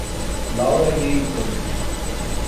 Laura e Heitor